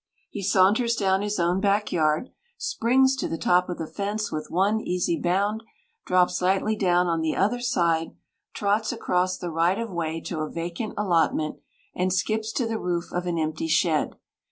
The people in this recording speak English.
He saunters down his own backyard, springs to the top of the fence with one easy bound, drops lightly down on the other side, trots across the right of way to a vacant allotment, and skips to the roof of an empty shed.